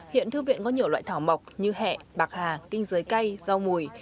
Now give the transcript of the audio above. hiện thư viện có nhiều loại thảo mộc như hẹ bạc hà kinh giới cay rau mùi